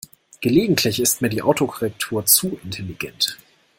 Gelegentlich ist mir die Autokorrektur zu intelligent.